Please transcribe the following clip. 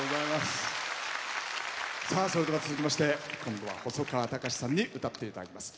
それでは、続きまして今度は細川たかしさんに歌っていただきます。